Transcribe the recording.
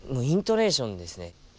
イントネーションですね。